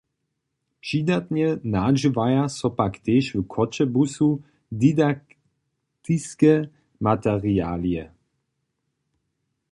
Přidatnje nadźěłaja so pak tež w Choćebuzu didaktiske materialije.